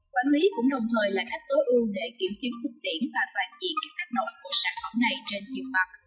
quản lý cũng đồng thời là cách tối ưu để kiểm chứng thuốc tiễn và toàn chi các tác nội của sản phẩm này trên nhiều mặt